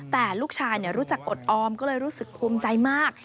แต่ลูกชายรู้จักอดออมก็เลยรู้สึกภูมิใจมาก